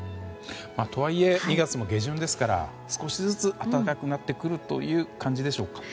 とはいえ２月も下旬ですから少しずつ暖かくなってくるという感じでしょうか。